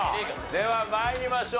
では参りましょう。